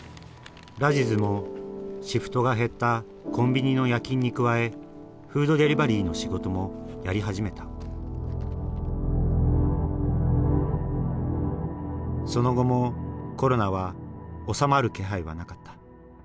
ラジズもシフトが減ったコンビニの夜勤に加えフードデリバリーの仕事もやり始めたその後もコロナは収まる気配はなかった。